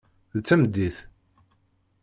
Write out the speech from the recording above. D tameddit.